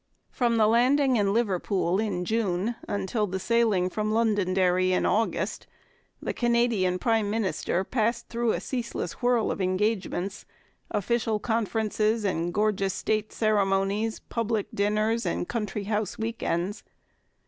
From the landing in Liverpool in June until the sailing from Londonderry in August, the Canadian prime minister passed through a ceaseless whirl of engagements, official conferences and gorgeous state ceremonies, public dinners and country house week ends.